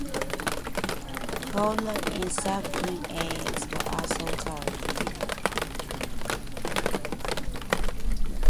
Cola and soft drink ads were also targeted.